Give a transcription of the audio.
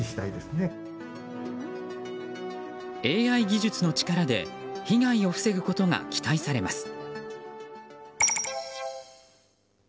ＡＩ技術の力で被害を防ぐことが期待されます。